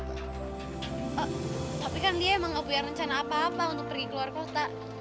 tapi kan dia emang gak punya rencana apa apa untuk pergi ke luar kota